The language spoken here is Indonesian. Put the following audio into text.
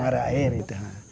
muara air itu